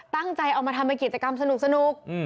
ตั้งใจเอามาทำเป็นกิจกรรมสนุก